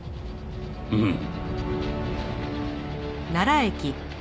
うん。